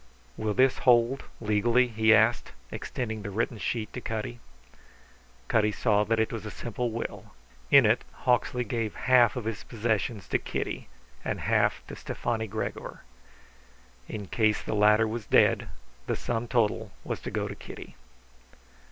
"Will this hold legally?" he asked, extending the written sheet to Cutty. Cutty saw that it was a simple will. In it Hawksley gave half of his possessions to Kitty and half to Stefani Gregor. In case the latter was dead the sum total was to go to Kitty.